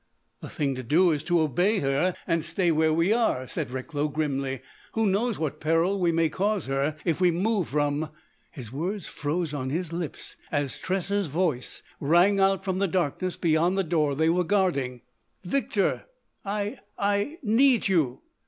"The thing to do is to obey her and stay where we are," said Recklow grimly. "Who knows what peril we may cause her if we move from——" His words froze on his lips as Tressa's voice rang out from the darkness beyond the door they were guarding: "Victor I I—I need you!